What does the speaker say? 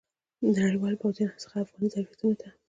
د نړیوالو پوځیانو څخه افغاني ظرفیتونو ته.